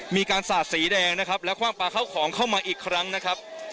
มีการสาดสีแดงนะครับและคว่างปลาเข้าของเข้ามาอีกครั้งนะครับ